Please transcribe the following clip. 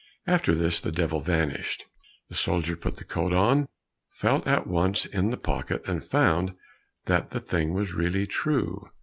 After this the Devil vanished. The soldier put the coat on, felt at once in the pocket, and found that the thing was really true.